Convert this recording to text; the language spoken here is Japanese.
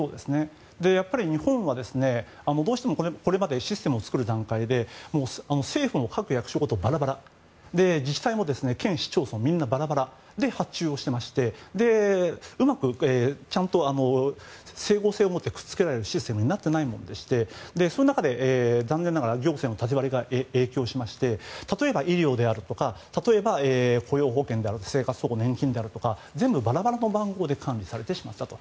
やっぱり日本はどうしてもこれまでシステムを作る段階で政府の各役所ごとにばらばらで自治体も県、市町村みんなバラバラで発注をしていましてうまくちゃんと整合性を持ってくっつけられるシステムになっていなくてその中で残念ながら行政の縦割りが影響しまして例えば医療であるとか例えば雇用保険生活保護、年金であるとか全部バラバラの番号で管理されてしまったと。